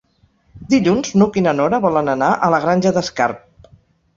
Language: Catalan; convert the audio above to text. Dilluns n'Hug i na Nora volen anar a la Granja d'Escarp.